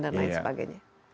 dan lain sebagainya